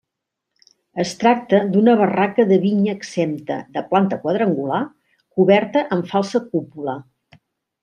Es tracta d'una barraca de vinya exempta, de planta quadrangular, coberta amb falsa cúpula.